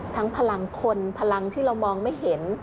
พลังคนพลังที่เรามองไม่เห็น